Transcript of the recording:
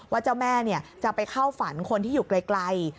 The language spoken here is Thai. เจ้าแม่จะไปเข้าฝันคนที่อยู่ไกล